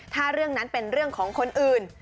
ถ้าเรื่องนั้นเป็นเรื่องของคนอื่น